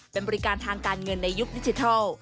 เป็นบริการทางการเงินในยุคดิจิทัล